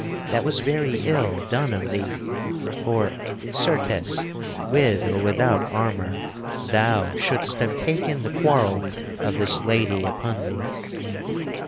that was very ill done of thee; for, certes, with or without armor thou shouldst have taken the quarrel of this lady upon thee.